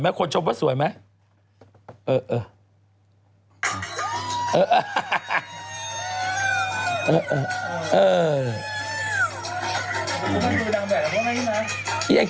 มีเคลื่อนไหวด้วย